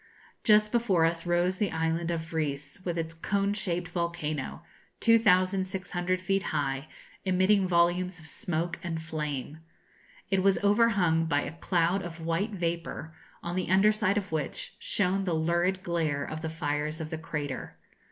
Just before us rose the island of Vries, with its cone shaped volcano, 2,600 feet high, emitting volumes of smoke and flame. It was overhung by a cloud of white vapour, on the under side of which shone the lurid glare of the fires of the crater.